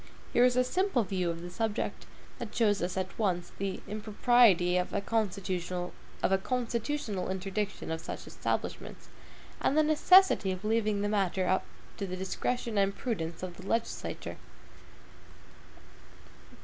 Here is a simple view of the subject, that shows us at once the impropriety of a constitutional interdiction of such establishments, and the necessity of leaving the matter to the discretion and prudence of the legislature.